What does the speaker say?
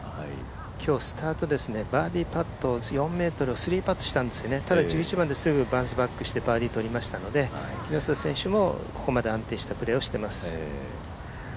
今日、スタートバーディーパットを３パットしたんですよね、１１番ですぐバウンスバックして、バーディーをとりましたのでここまで安定したプレーをしています。